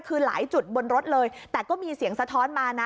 คือหลายจุดบนรถเลยแต่ก็มีเสียงสะท้อนมานะ